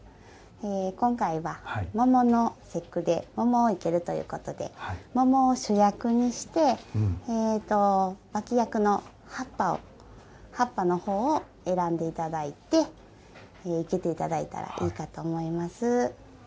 今回は、桃の節句で桃を生けるということで桃を主役にして脇役の葉っぱの方を選んでいただいて生けていただいたらいいかと思います。